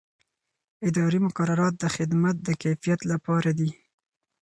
اداري مقررات د خدمت د کیفیت لپاره دي.